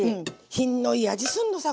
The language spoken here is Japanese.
品のいい味すんのさ